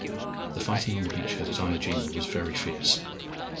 The fighting on the beachhead at Iwo Jima was very fierce.